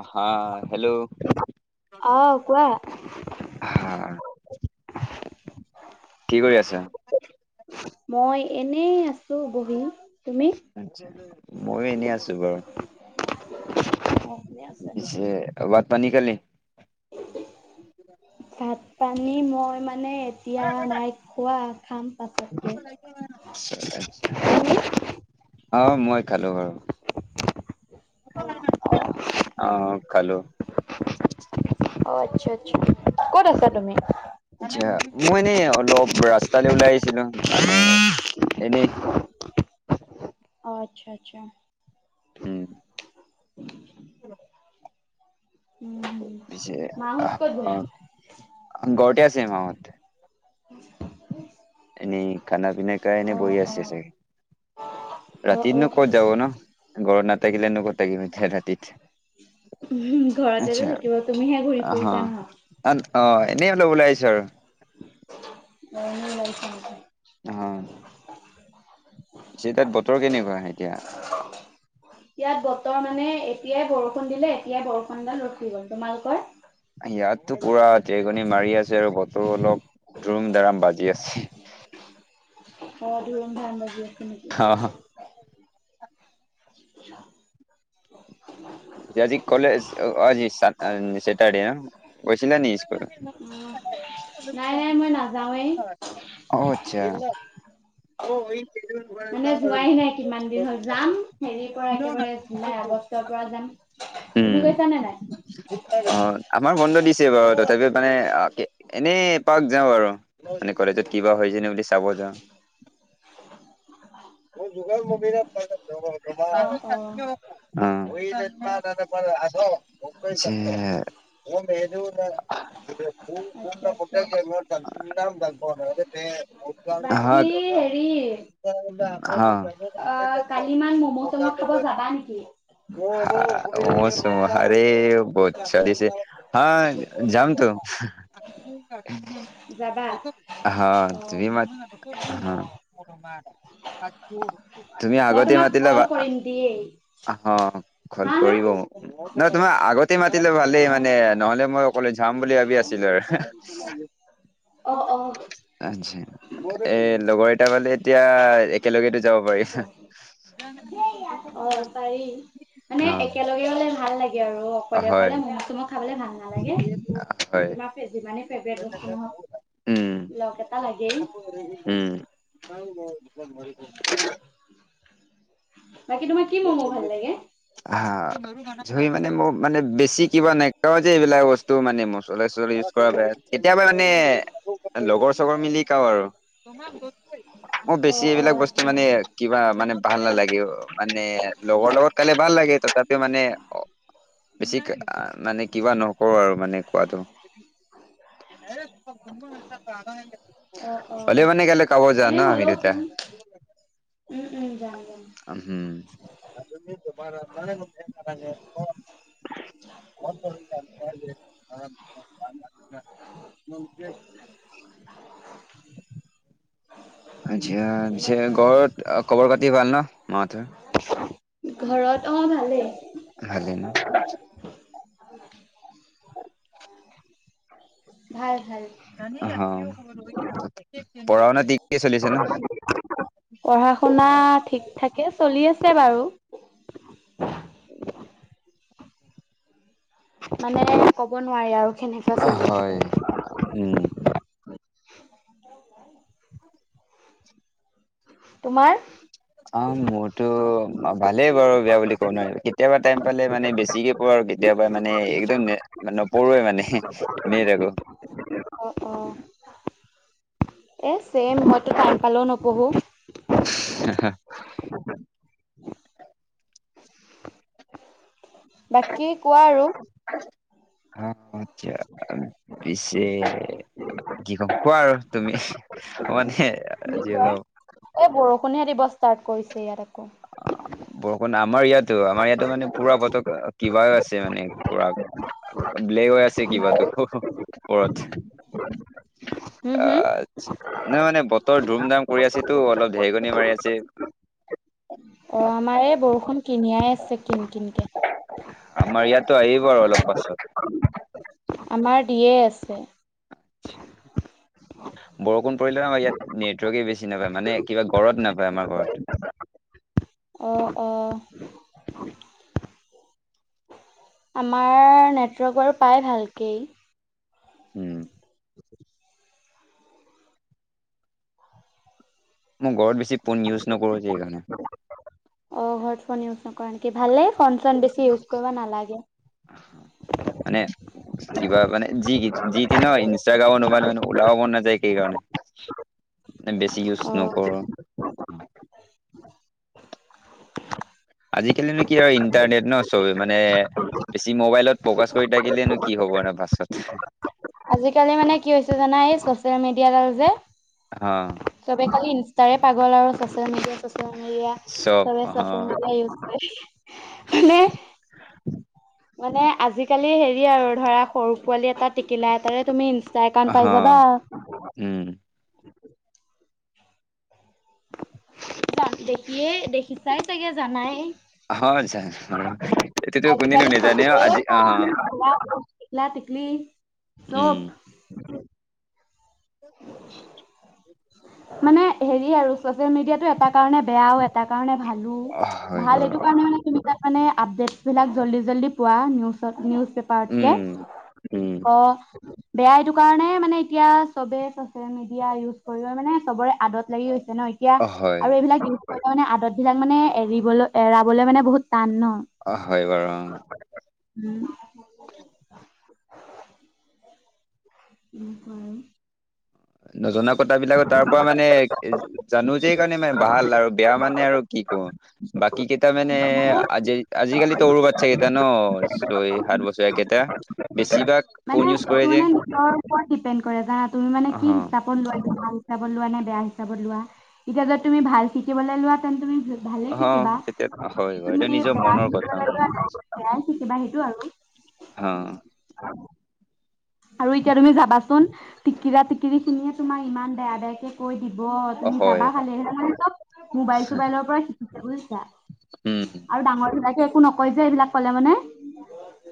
আসা, হেল্ল'! আহ কোৱা হা, কি কৰি আছা? মই এনেই আছো বহি। তুমি? মইয়ো এনেই আছো বাৰু! অ শুনি আছা নেকি? পিছে ভাত-পানী খালী? [inaudible] ভাত-পানী মই মানে এতিয়া নাই খোৱা, খাম পাছতকে। তুমি অ', মই খালো বাৰু। খালা অ অ', খালো। অ', আচ্ছা! আচ্ছা! ক'ত আছা তুমি? [unintelligible] মই এনেই অলপ ৰাস্তালৈ ওলাই আহিছিলো মানে এনেই। আচ্ছা! আচ্ছা! উম। [inaudible] উম [unintelligible] উম পিছে মাহত আ, ক'ত গ'ল গৰতে আছে মাহঁত। এনেই খানা পিনা খাই এনেই অ বহি অ আছে চাগে? অ অ ৰাতিনো ক'ত যাব ন' গৰত নাথাকিলেনো ক'ত থাকিব এতিয়া ৰাতিত। ঘৰতেটো আচ্ছা থাকিব তুমিহে ঘূৰি ফুৰিছা ন? অ', অ', এনেই অলপ ওলাই আহিছোঁ আৰু। [inaudible] অ', পিছে তাত বতৰ কেনেকুৱা এতিয়া? ইয়াত বতৰ মানে এতিয়াই বৰষুণ দিলে এতিয়াই বৰষুণডাল ৰখি গ'ল, তোমালোকৰ? ইয়াতো পুৰা ধেৰকনি মাৰি আছে আৰু বতৰো অলপ দোৰুম দাৰাম বাজি আছে। অ', ধুৰুম ধাৰাম বাজি আছে অ নেকি? আজি কলেজ অ', অজি চা-অ', চেটাৰডে ন' গৈছিলা নি [unintelligible] নাই, নাই মই নাযাওঁয়েই। অ', আচ্ছা। [inaudible] মানে যোৱাই নাই কিমান দিন হ'ল, যাম হেৰিৰ পৰা একেবাৰে জুলাই আগষ্টৰ পৰা যাম। উম তুমি গৈছানে নাই? অ', আমাৰ বন্ধ দিছে বাৰু তথাপি মানে আ, এনেই এপাক যাওঁ আৰু মানে কলেজত কিবা হৈ হৈছেনে বুলি চাব যাওঁ। [unintelligible] অ', অ অ [unintelligible] [inaudible] আচ্ছা আচ্ছা [unintelligible] হয়। কি? [unintelligible] অ', কালিমান ম'ম চম' খাব যাবা নিকি? [unintelligible] ম'ম চ'ম হাৰে [unintelligible] দিছে হা যামতো যাবা হ, অ তুমি মাত হ তুমি মই আগতে তোমাক মাতিলে কল কৰিম দিয়েই অ', ক'ল হা হা কৰিব মোক, ন' তোমাৰ আগত তি, মাতিলে ভালেই অ মানে নহ'লে মই অকলে যাম বুলি ভাবি আছিলোঁ আৰু। অ অ আচ্ছা। এ লগৰ এটা পালে এতিয়া একেলগেতো যাব পাৰি। অ', পাৰি মানে একেলগে গ'লে ভাল লাগে আৰু অক অ অকলে, হয় অকলে ম'ম চম' খাবলে ভাল নালাগে হয় তোমাৰ যিমানেই ফেভৰেট বস্তু উম, নহওঁক। লগ এটা লাগেই। উম, [unintelligible] বাকী তোমাৰ কি ম'ম ভাল লাগে? হা ধুই মানে মোৰ মানে বেছি কিবা নাখাওঁ যে, এইবিলাক বচ তো মানে মছলা চ [unintelligible] [unintelligible] কেতিয়াবা মানে লগৰ চগৰ মিলি খাওঁ আৰু! মোৰ অ বেছি অ এইবিলাক বস্তু আচ্ছা মানে কিবা মানে ভাল নালাগে অ' মানে লগৰ লগত খালে ভাল লাগে তথাপিও মানে অ বেছি মানে কিবা নকৰোঁ আৰু মানে কোৱাটো! অ অ [inaudible] হ'লেও মানে কাইলৈ কাব যাম এনে ন আমি হ'লেও দুটা। তুম উম উম যাম যাম। উম [inaudible] আচ্ছা আচ্ছা তেনেকুৱা আৰু ঘৰত খবৰ খাটি ভাল ন মা হঁতৰ। ঘৰত অ', ভালেই। ভালে ন। [inaudible] ভাল ভাল। অ', পঢ়া শুনা ঠিককৈ চলিছে নে। পঢ়া শুনা থিক থাকে চলি আছে বাৰু। [inaudible] মানে ক'ব নোৱাৰি আৰু। কেনেকুৱা অ', চলি আছে হয়, উম। [inaudible] তোমাৰ। অ', মোৰতো ভালেই বাৰু, বেয়া বুলি ক'ব নোৱাৰি কেতিয়াবা টাইম পালে মানে বেছিকে পঢ়ো আৰু কেতিয়াবা মানে একদম নপঢ়াই মানে। এনেই থাকো। অ', অ'। এই চেম মইতো টাইম পালেও নপঢ়ো। হা হা। [inaudible] বাকী কোৱা আৰু। [unintelligible] পিছে কি ক'ম কোৱা আৰু তুমি, মানে‌ তুমি যি কোৱা অলপ এই বৰষুণহে দিব ষ্টাৰ্ট কৰিছে ইয়াত আকৌ। বৰষুণ আমাৰ ইয়াতো, আমাৰ ইয়াতো মানে পুৰা বতৰ কিবা আছে মানে পুৰা ব্লেক হৈ আছে কিবা টো আমাৰো ওপৰত। হুম হুম [inaudible] নহয় নহয় বতৰ ধুম ধাম কৰি আছেতো অলপ ঢেৰেকণী মাৰি আছে। অ', আমাৰ এইয়া বৰষুণ কিনিয়াই আছে কিন কিনকৈ। আমাৰ ইয়াতো আহিব আৰু অলপ পাছত। আমাৰ দিয়ে আছে। [inaudible] বৰষুণ পৰিলে আমাৰ ইয়াত নেটৱৰ্কে বেছি নাপায় মানে কিবা ঘৰত নাপায় আমাৰ ঘৰত। অ' অ' আমাৰ নেটৱৰ্ক বাৰু পায় ভালকেই। উম। মই ঘৰত বেছি ফোন ইউচ নকৰো যে সেইকাৰণে। অ ঘৰত ফোন ইউচ নকৰা নেকি, ভালে ফোন চোণ বেছি ইউচ কৰিব নালাগে। মানে। কিবা মানে যি ই যি তি ন ইনষ্টাগ্ৰামৰ নোমাল মানে ওলাব ম'ন নাযায় হেকাৰ্নে। বেছি উচ অ নকৰোঁ। আজিকালিনো কি হৈ ইণ্টাৰনেট ন চবে মানে বেছি ম'বাইলত ফ'কাছ কৰি থাকিলেনো কি হ'ব আৰু পাছত। আজিকালি মানে কি হৈছে জানা, এই ছ'চিয়েল মিডিয়া ডাল যে অ চবে খালি ইনষ্টাৰে পাগল আৰু ছ'চিয়েল মিডিয়া, ছ'চিয়েল মিডিয়া। চব চবে চচিয়েল মিডিয়া ইউজ কৰে। মানে মানে আজিকালি হেৰি আৰু ধৰা সৰু পোৱালি এটা টেকিলা এটাৰে তুমি ই অ হ উম। জান দেখিয়ে দেখিছাই চাগে জানাই। হয় জানো বাৰু এইটোতো কোনেনো আজিকালি। নেজানে অ আজি অ তিকলা- তিকলি উম চ'প। [unintelligible] মানে হেৰি আৰু ছচিয়েল মিডিয়াাতটো এটা কাৰণে বেয়াও তাৰ ভালো, হয় ভাল এইটো বাৰু কাৰণে মানে তুমি মানে আপডেটছবিলাক জল্দি জল্দি পোৱা নিউজত নিউজ পেপাৰতকৈ উম উম অ বেয়া এইটো কাৰণে মানে এতিয়া চবে মিডিয়া ইউজ কৰিব মানে চবৰে আদত লাগিছে ন এতিয়া অ হয় আৰু এইবিলাক মানে মানে আদত মানে এৰাবলৈ মানে বহুত টান ন? অঁ হয় বাৰু। উম। উম হয়। নজনা কথা বিলাক তাৰ পৰা মানে জানো যে কাৰণে মানে ভাল আৰু বেয়া মানে আৰু কি কো বাকী কেইটা মানে আজি আজিকালি তোৰু বাচ্ছা কেইটা ন ছয় সাত বছৰে কেইটা। এয়া বেছিভাগ ফন ইউজ কৰে যে অ ওপৰত ডিপেণ্ড কৰে জানা তুমি মানে অহ কি হিচাপ ল ভাল হিচাপত লোৱা নে বেয়া হিচাপত লোৱা, এতিয়া যদি তুমি ভাল শিকিবলৈ লোৱা তেন্তে তুমি ভালে অহ শিকিবা তেতিয়া হয় বাৰু এইটো তুমি নিজৰ বেয়া মনৰ শিকিব কথা লাগে বেয়াই শিকিবা সেইটো আৰু [inaudible] অ। আৰু এতিয়া তুমি যাবাচোন টিকিৰা- টিকিৰি খিনিয়ে তোমাৰ ইমান বেয়া বেয়াকে। কৈ দিব অ তুমি হয় যাবা খালে সেই মোবাইল চোবাইলৰ পৰা শিকিছো বুজছা। উম আৰু ডাঙৰ ধিলাকে একো নকয় যে এইবিলাক কলে মানে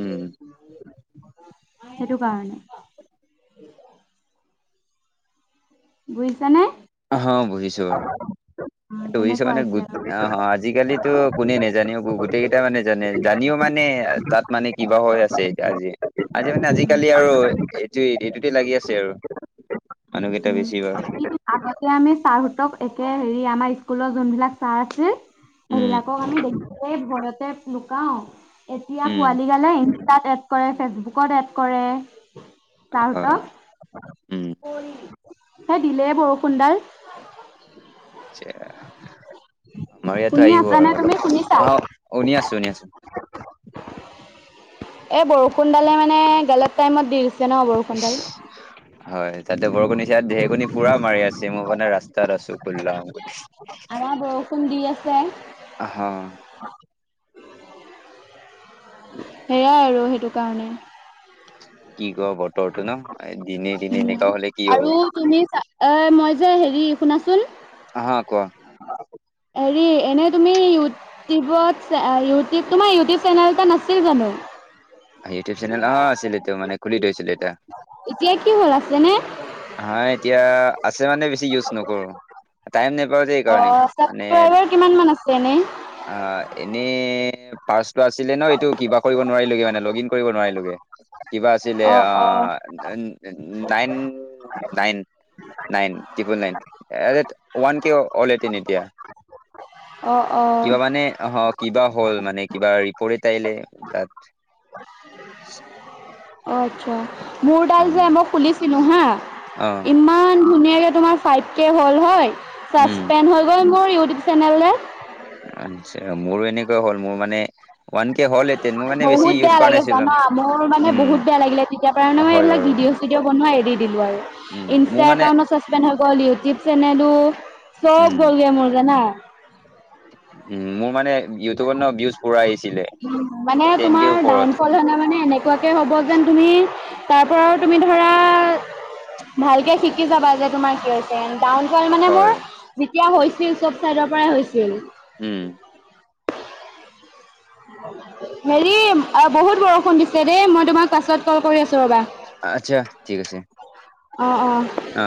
উম। সেইটো কাৰণে বুজিছে নে? অ হ বহিছোঁ বাৰু। সেইটো বুজিছ তেনেকুৱা মানে গ হৈছে আৰু আজিকালিটো কোনে নাজানোঁ। গোটেই কেইটা মানে জানে জানিও মানে তাত মানে কিবা হৈ আছে, এয়া আজি আজি মানে উম আজিকালি আৰু এইটো এইটোতে লাগি আছে, আৰু মানুহকেইটা বেছি বাৰ আৰু তাতে আমি ছাৰহঁতক একে হেৰি আমাৰ স্কুলৰ যোনবিলাক ছাৰ আছিল। উম, সেইবিলাকক আমি দেখিলেই ভয়তে লুকাওঁ এতিয়া উম। পোৱালি গালে ইচতাত কৰে ফেচবুকত এড কৰে হয়, তাহঁতক উম, কোন? এই দিলে বৰষুণডাল [inaudible] আমাৰ ইয়াতো শুনি আহিব আছানে আৰু তুমি অলপ প শুনিছা? অ শনি আছো শুনি আছো। এই বৰষুণডালে মানে গেলেট টাইমত দি দিছে ন বৰষুণডাল? হয় তাতে বৰষুণ দিছে ইয়াত ঢেৰকণী পুৰা মাৰি আছে মই মানে ৰাস্তাত আছো, উলাও আমাৰ বৰষুণ দি আছে। অহ। সেয়াই আৰু সেইটো কাৰণে, কি ক বতৰটো ন দিনে দিনে হলে কি হব? তুমিছা এ মই যে হেৰি শুনাচোন। অ হা কোৱা। হেৰি এনেই তুমি ইউটিউবত ইউটিউ তোমাৰ ইউটিউব চেনেল এটা নাছিল জানো? ইউটিউব চেনেল অ আছিল এইটো মানে খুলি থৈছল এটা। এতিয়া কি হল আছে নে? হা এতিয়া আছে মানে বেছি ইউজ নকৰোঁ। টাইম নাপাও যে এইকাৰণে অ' মানে, ছাবস্ক্ৰাইবাৰ কিমান মান আছে এনে? আ এনেই পাৰ্চটো আছিলে ন এইটো কৰিব নোৱাৰিলোগৈ মানে লগিন কৰিব নোৱাৰিলোগে। কিবা আছিলে অ উ nine, nine nine triple nine একে ওৱান কে হলহেতেন এতিয়া। অ' অ' অ' কিবা মানে আহক, কিবা হ'ল মানে, কিবা ৰিপৰ্ট এটা আহিলে তাত। [inaudible] অ আচ্ছা, মোৰ অ ডাল যে মই খুলিছিলো হা অ ইমা ইমান ধুনীয়াকৈ তোমাৰ ফাইভ কে হ'ল হয়, উম ছাচপেণ্ড হৈ গ'ল মোৰ ইউটিউব চেনেলৰে। আচ্ছা, মোৰো এনেকুৱা হ'ল মোৰ মানে ওৱান কে হ'ল এটিন মোৰ মানে বেছি বহুত ইউজ বেয়া কৰা লাগে নাছিলো জানা, মোৰ মানে উম বহুত বেয়া লাগিলে। তেতিয়াৰ পা নহয় হয় এইবিলাক বাৰু ভিডিঅ' চিডিঅ' বনোৱা এৰি দিলোঁ উম আৰু মোৰ ইনষ্টা মানে একাউণ্টত, চাচপেণ্ড হৈ গল, ইউটিউব চেনেলো চব উম, গ'লগে মোৰ জানা। উম মোৰ মানে, ইউটিউবত ন ভিউজ পুৰা আহিছিলে মানে টেন কে তোমাৰ ওপৰত। ডাউনফল হলে মানে এনে, কুৱাকৈ হ'ব যেন তুমি তাৰ পৰা তুমি ধৰা, ভালকে শিকি যাবা যে তোমাৰ কিয় হৈছে। ডাউনফল মানে মোৰ হয়। যেতিয়া হৈছিল চব চাইডৰ পৰাই হৈছিল। উম, হেৰি বহুত বৰষুণ দিছে দেই মই তোমাক পাছত কল কৰি আছো ৰ'বা। আচ্ছা ঠিক আছে। অ অ। অ